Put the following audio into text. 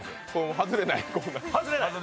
外れない。